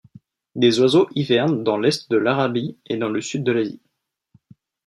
Des oiseaux hivernent dans l'est de l'Arabie et dans le sud de l'Asie.